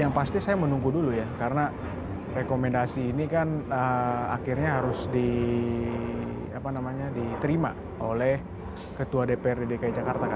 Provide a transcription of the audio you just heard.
yang pasti saya menunggu dulu ya karena rekomendasi ini kan akhirnya harus diterima oleh ketua dprd dki jakarta